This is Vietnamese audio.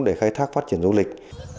để khai thác phát triển du lịch